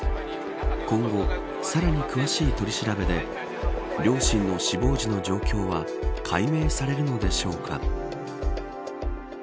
今後、さらに詳しい取り調べで両親の死亡時の状況は解明されるのでしょうか。